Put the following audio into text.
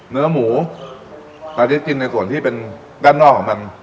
เนื้อหมูเราจะกินในส่วนที่เป็นด้านนอกของมัน